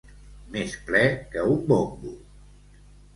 Més ple que un bombo.